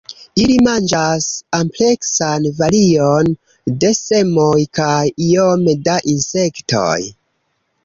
Ili manĝas ampleksan varion de semoj kaj iome da insektoj.